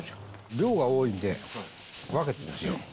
量が多いんで、分けてるんですよ。